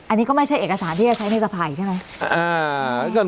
อันนี้ก็ไม่ใช่เอกสารที่จะใช้ในสภายใช่ไหม